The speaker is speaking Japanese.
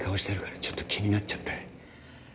ちょっと気になっちゃって